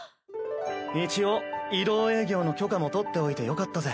一応移動営業の許可も取っておいてよかったぜ。